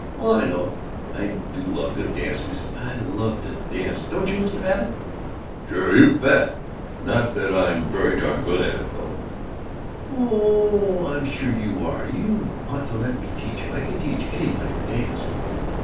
"Oh, I know. I do love good dance music. I love to dance, don't you, Mr. Babbitt?" "Sure, you bet. Not that I'm very darn good at it, though." "Oh, I'm sure you are. You ought to let me teach you. I can teach anybody to dance."